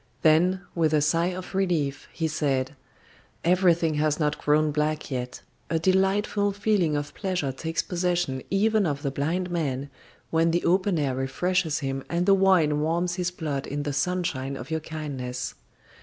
Then, with a sigh of relief, he said: "Everything has not grown black yet. A delightful feeling of pleasure takes possession even of the blind man when the open air refreshes him and the wine warms his blood in the sunshine of your kindness."